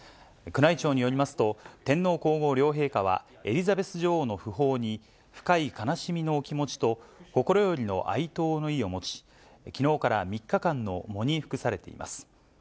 宮内庁によりますと、天皇皇后両陛下は、エリザベス女王の訃報に、深い悲しみのお気持ちと、心よりの哀悼の意を持ち、きのうから３日間の喪に服されています。